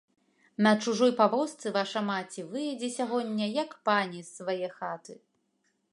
На чужой павозцы ваша маці выедзе сягоння, як пані, з свае хаты!